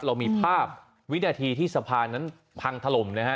เรามีภาพวินาทีที่สะพานนั้นพังถล่มนะฮะ